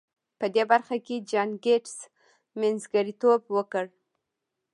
په دې برخه کې جان ګيټس منځګړيتوب وکړ.